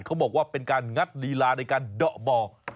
เขาบอกว่าเป็นการงัดลีลาในการเดาะบ่อ